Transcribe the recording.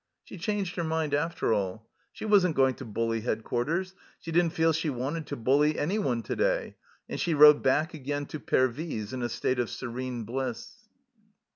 She changed her mind, after all ,; she wasn't going to bully Headquarters, she didn't feel she wanted to bully anyone to day, and she rode back again to Pervyse in a state of serene bliss.